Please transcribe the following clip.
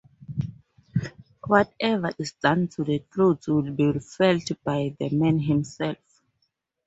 Whatever is done to the clothes will be felt by the man himself.